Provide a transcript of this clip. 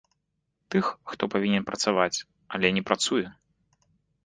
Тых, хто павінен працаваць, але не працуе.